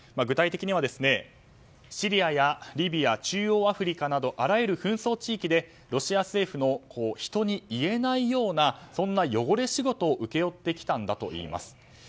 具体的にはシリアやリビア中央アフリカなどあらゆる紛争地域でロシア政府の人に言えないようなそんな汚れ仕事を請け負ってきたんだといいます。